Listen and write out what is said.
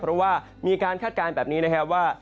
เพราะว่ามีการคาดการณ์แบบนี้นะครับว่า